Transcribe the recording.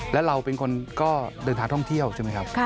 แล้วเราเป็นคนก็เดินทางท่องเที่ยวใช่ไหมครับ